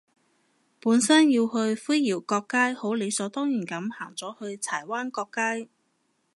本身要去灰窰角街，好理所當然噉行咗去柴灣角街